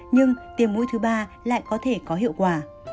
nhưng tiềm mũi thứ ba lại có thể có hiệu quả